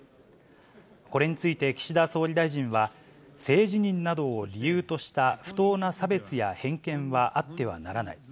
これについて、岸田総理大臣は、性自認などを理由とした不当な差別や偏見はあってはならない。